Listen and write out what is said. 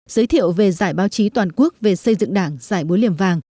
giới thiệu về giải báo chí toàn quốc về xây dựng đảng giải búa liềm vàng